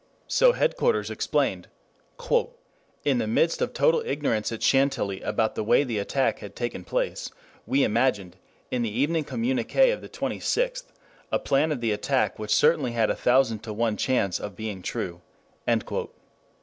So headquarters explained. "In the midst of total ignorance at Chantilly about the way the attack had taken place, we imagined, in the evening communiqué of the 26th, a plan of the attack which certainly had a thousand to one chance of being true."